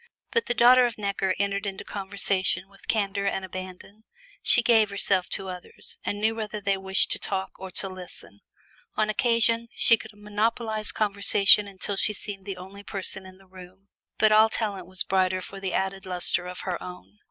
But the daughter of Necker entered into conversation with candor and abandon; she gave herself to others, and knew whether they wished to talk or to listen. On occasion, she could monopolize conversation until she seemed the only person in the room; but all talent was brighter for the added luster of her own.